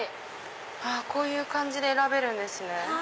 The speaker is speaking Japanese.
こういう感じで選べるんですね。